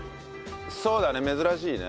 そうだね珍しいね。